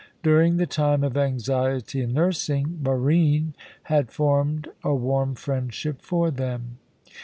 During the time of anxiety and nursing, Barine had formed a warm friendship for them.